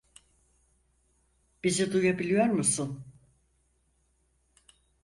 Bizi duyabiliyor musun?